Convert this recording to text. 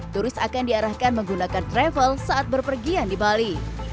turis akan diarahkan menggunakan travel saat berpergian di bali